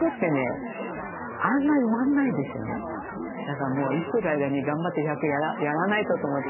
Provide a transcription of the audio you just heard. だからもう生きてる間に頑張って１００やらないとと思って。